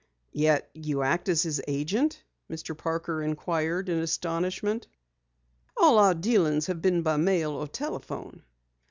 "Yet you act as his agent?" Mr. Parker inquired in astonishment. "All our dealings have been by mail or telephone."